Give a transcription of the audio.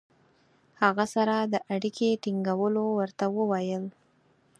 هغه سره د اړیکې ټینګولو ورته وویل.